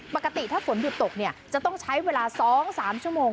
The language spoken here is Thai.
ปกติถ้าฝนหยุดตกจะต้องใช้เวลา๒๓ชั่วโมง